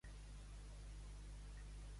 Amb qui es casà després aquest?